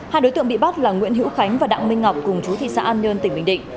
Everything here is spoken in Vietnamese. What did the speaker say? hai đối tượng bị bắt là nguyễn hữu khánh và đặng minh ngọc cùng chú thị xã an nhơn tỉnh bình định